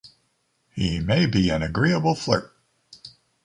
He may be an agreeable flirt.